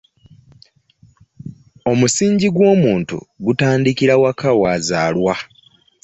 Omusingi gw'omuntu gutandikira waka waazalwa.